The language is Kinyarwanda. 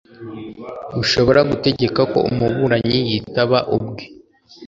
rushobora gutegeka ko umuburanyi yitaba ubwe